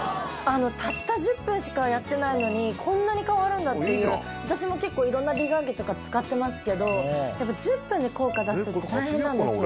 たった１０分しかやってないのにこんなに変わるんだっていう私も結構いろんな美顔器とか使ってますけどやっぱ１０分で効果出すって大変なんですよ。